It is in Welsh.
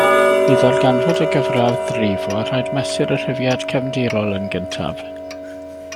I ddarganfod y gyfradd rifo, rhaid mesur y rhifiad cefndirol yn gyntaf.